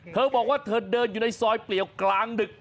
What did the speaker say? เธอบอกว่าเธอเดินอยู่ในซอยเปลี่ยวกลางดึก